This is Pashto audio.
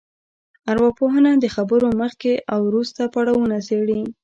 ارواپوهنه د خبرو مخکې او وروسته پړاوونه څېړي